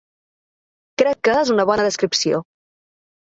Crec que és una bona descripció.